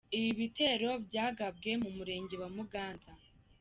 Ibi bitero byagabwe mu murenge wa Muganza.